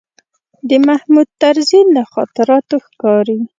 د محمود طرزي له خاطراتو ښکاري.